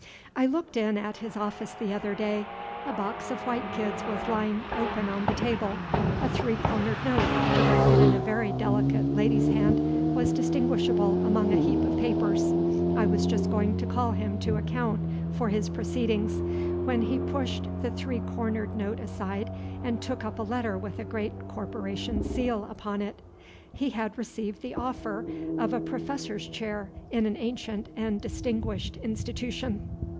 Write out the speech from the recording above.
I looked in at his office the other day. A box of white kids was lying open on the table. A three cornered note, directed in a very delicate lady's hand, was distinguishable among a heap of papers. I was just going to call him to account for his proceedings, when he pushed the three cornered note aside and took up a letter with a great corporation seal upon it. He had received the offer of a professor's chair in an ancient and distinguished institution.